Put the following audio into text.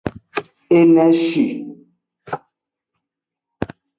Eneci.